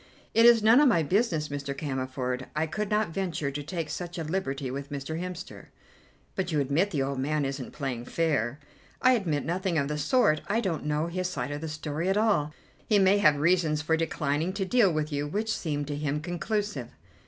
"It is none of my business, Mr. Cammerford. I could not venture to take such a liberty with Mr. Hemster." "But you admit the old man isn't playing fair?" "I admit nothing of the sort: I don't know his side of the story at all. He may have reasons for declining to deal with you, which seem to him conclusive."